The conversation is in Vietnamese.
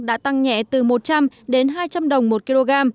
đã tăng nhẹ từ một trăm linh đến hai trăm linh đồng một kg